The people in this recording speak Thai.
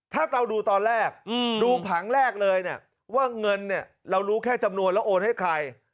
ถ้าเราดูตอนแรกดูผังแรกเลยเนี่ยว่าเงินเนี่ยเรารู้แค่จำนวนแล้วโอนให้ใคร